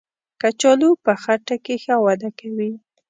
کچالو په خټه کې ښه وده کوي